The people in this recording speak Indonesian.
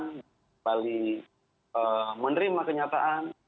kembali menerima kenyataan